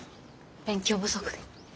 勉強不足で。